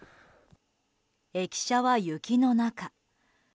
駅舎は雪の中。